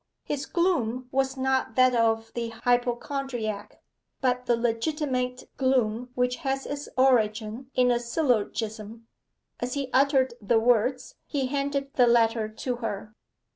His gloom was not that of the hypochondriac, but the legitimate gloom which has its origin in a syllogism. As he uttered the words he handed the letter to her.